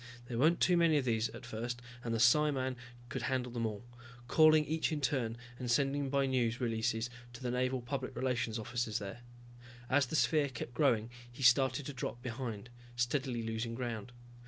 There weren't too many of these at first and the psiman could handle them all, calling each in turn and sending by news releases to the Naval Public Relations officers there. As the sphere kept growing he started to drop behind, steadily losing ground.